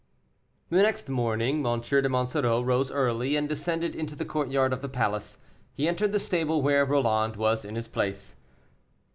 The next morning, M. de Monsoreau rose early, and descended into the courtyard of the palace. He entered the stable, where Roland was in his place.